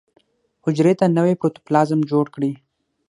حجرې ته نوی پروتوپلازم جوړ کړي.